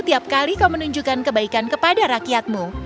tiap kali kau menunjukkan kebaikan kepada rakyatmu